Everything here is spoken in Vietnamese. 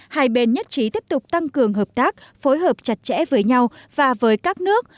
hai bên nhất trí tiếp tục tăng cường hợp tác phối hợp chặt chẽ với nhau và với các nước